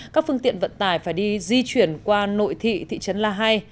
các phương tiện vận tải phải đi di chuyển qua nội thị thị trấn la hai